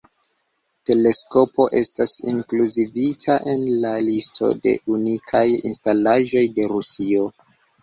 Teleskopo estas inkluzivita en la listo de unikaj instalaĵoj de Rusio.